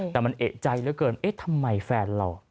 และเพิ่มจากกับแฟน